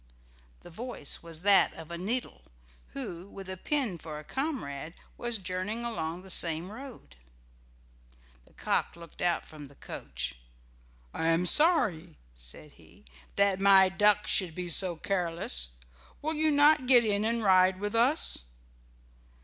The voice was that of a needle, who, with a pin for a comrade, was journeying along the same road. The cock looked out from the coach. "I am sorry," said he, "that my duck should be so careless. Will you not get in and ride with us?"